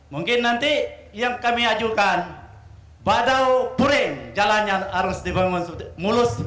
mungkin nanti yang kami ajukan badau puring jalan yang harus dibangun mulus